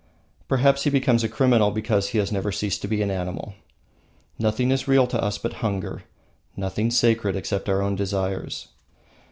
Perhaps he becomes a criminal because he has never ceased to be an animal. Nothing is real to us but hunger, nothing sacred except our own desires.